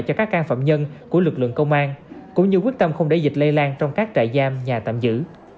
cho các can phạm nhân của lực lượng công an cũng như quyết tâm không để dịch lây lan trong các trại giam nhà tạm giữ